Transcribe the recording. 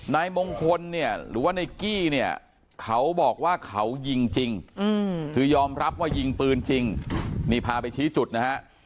นายมงคลเนี่ยหรือว่าในกี้เนี่ยเขาบอกว่าเขายิงจริงคือยอมรับว่ายิงปืนจริงนี่พาไปชี้จุดนะฮะ